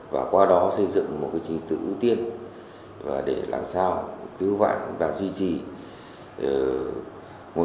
và qua đó xây dựng một chính tự ưu tiên để làm sao cứu vạn và duy trì một số di tích có giá trị đặc biệt